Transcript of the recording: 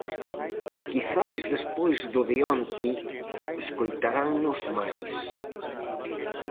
Quizais despois do de onte escoitarannos máis.